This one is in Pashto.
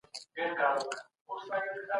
ولسمشر بشري حقونه نه محدودوي.